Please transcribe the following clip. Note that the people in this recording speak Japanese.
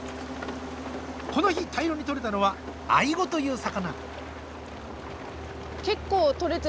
この日、大量にとれたのはアイゴという魚。